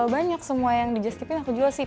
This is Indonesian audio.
banyak semua yang di just tip ini aku jual sih